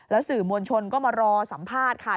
สื่อมวลชนก็มารอสัมภาษณ์ค่ะ